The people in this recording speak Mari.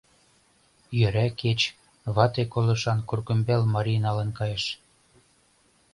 Йӧра кеч, вате колышан Курыкӱмбал марий налын кайыш.